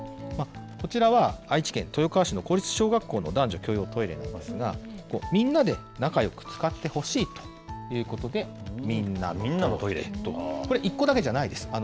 こちらは愛知県豊川市の公立小学校の男女共用トイレになりますが、みんなで仲よく使ってほしいということで、みんなのトイレと、これ、１個だけじゃないです。